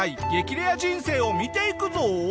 レア人生を見ていくぞ。